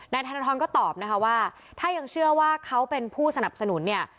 ธนทรก็ตอบนะคะว่าถ้ายังเชื่อว่าเขาเป็นผู้สนับสนุนเนี่ย